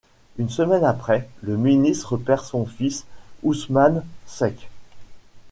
Une semaine après, le ministre perd son fils Ousmane Seck.